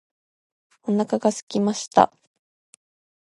お腹がすきました